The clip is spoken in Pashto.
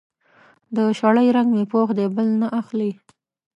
د شړۍ رنګ مې پوخ دی؛ بل نه اخلي.